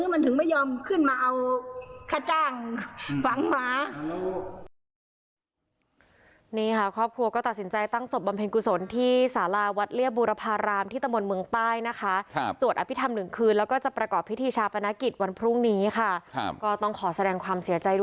มันถึงไม่ยอมขึ้นมาเอาค่าจ้างหวังหวา